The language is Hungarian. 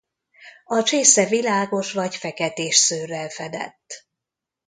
A csésze világos vagy feketés szőrrel fedett.